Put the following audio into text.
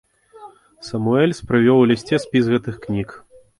Самуэльс прывёў у лісце спіс гэтых кніг.